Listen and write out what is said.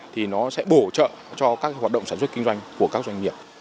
thì nó sẽ bổ trợ cho các hoạt động sản xuất kinh doanh của các doanh nghiệp